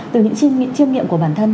từ những chiêu nghiệm của bản thân